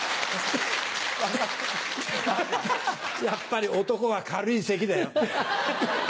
やっぱり男は軽い咳だよ。